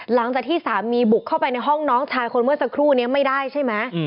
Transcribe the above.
หลังจากที่สามีบุกเข้าไปในห้องน้องชายคนเมื่อสักครู่นี้ไม่ได้ใช่ไหม